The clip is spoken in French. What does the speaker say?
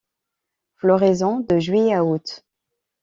Floraison de Juillet à août.